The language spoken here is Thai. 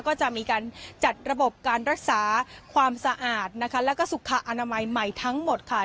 ก็จะมีการจัดระบบการรักษาความสะอาดนะคะแล้วก็สุขอนามัยใหม่ทั้งหมดค่ะ